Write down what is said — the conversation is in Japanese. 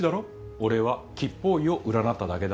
俺は吉方位を占っただけだ。